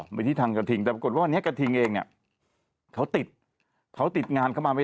ไปที่ทางกระทิงแต่ปรากฏว่าวันนี้กระทิงเองเนี่ยเขาติดเขาติดงานเข้ามาไม่